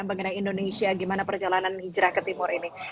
mengenai indonesia gimana perjalanan hijrah ke timur ini